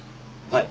はい。